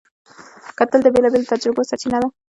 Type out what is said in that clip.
کتل د بېلابېلو تجربو سرچینه ده